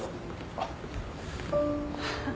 あっ。